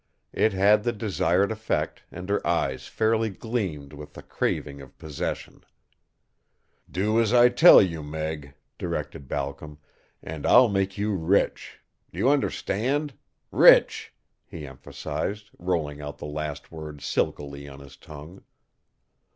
It had the desired effect and her eyes fairly gleamed with the craving of possession. "Do as I tell you, Meg," directed Balcom, "and I'll make you rich. Do you understand? Rich!" he emphasized, rolling out the last word silkily on his tongue.